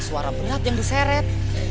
suara berat yang diseret